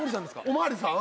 お巡りさん？